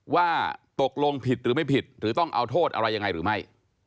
ว่าตกลงผิดหรือไม่ผิดหรือต้องเอาโทษอะไรยังไงหรือไม่